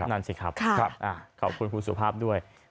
นั่นสิครับขอบคุณคุณสุภาพด้วย